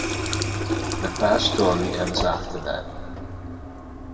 The past story ends after that.